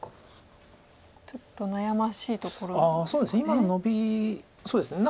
ちょっと悩ましいところですかね。